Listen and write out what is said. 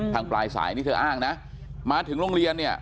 ปลายสายนี่เธออ้างนะมาถึงโรงเรียนเนี่ย